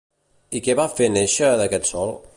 I què va fer néixer d'aquest sòl?